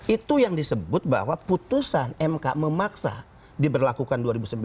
itu yang disebut bahwa putusan mk memaksa diberlakukan dua ribu sembilan belas